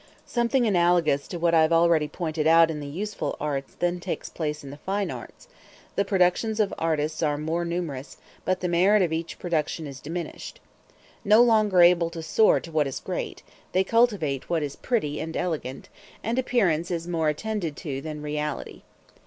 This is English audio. Something analogous to what I have already pointed out in the useful arts then takes place in the fine arts; the productions of artists are more numerous, but the merit of each production is diminished. No longer able to soar to what is great, they cultivate what is pretty and elegant; and appearance is more attended to than reality.